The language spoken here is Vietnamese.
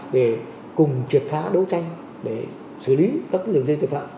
để cùng triệt phá đấu tranh để xử lý các đường dây tội phạm